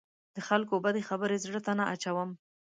د خلکو بدې خبرې زړه ته نه اچوم.